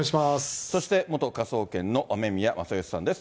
そして元科捜研の雨宮正欣さんです。